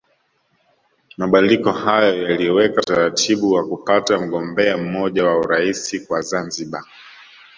Mabadiliko hayo yaliweka utaratibu wa kupata mgombea mmoja wa Urais kwa Zanzibar